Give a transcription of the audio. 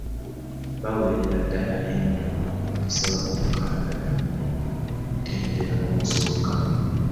Bawerera ddala emitwalo egisoba mu mukaaga ku mutendera ogusooka.